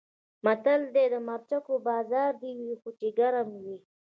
متل دی: د مرچکو بازار دې وي خو چې ګرم وي.